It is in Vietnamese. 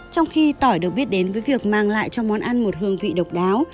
trong khi tỏi được biết đến với việc mang lại cho món ăn một hương vị độc đáo